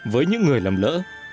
với những người làm lỡ